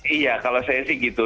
iya kalau saya sih gitu